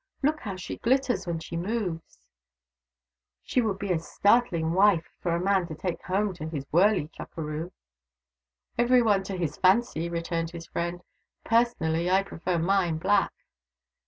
Look how she glitters when she moves ! She would be a startling wife for a man to take home to his wurley, Chukeroo." " Every one to his fancy," returned his friend. " Personally I prefer mine black."